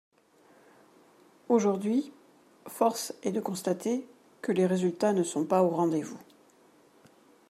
Aujourd’hui, force est de constater que les résultats ne sont pas au rendez-vous.